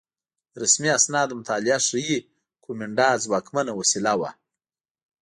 د رسمي اسنادو مطالعه ښيي کومېنډا ځواکمنه وسیله وه